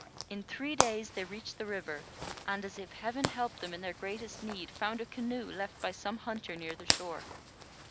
In three days they reached the river, and, as if Heaven helped them in their greatest need, found a canoe, left by some hunter, near the shore.